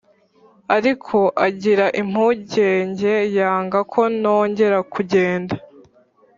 ariko agira impungenge yanga ko nongera kugenda